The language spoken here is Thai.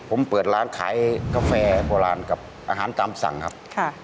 ผมเปิดร้านขายกาแฟโบราณกับอาหารตามสั่งครับ